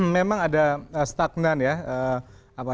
memang ada stagnan ya